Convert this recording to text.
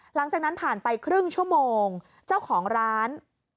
หลังจากนั้นผ่านไปครึ่งชั่วโมงเจ้าของร้าน